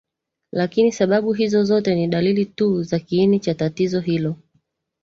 Lakini sababu hizo zote ni dalili tu za kiini cha tatizo hilo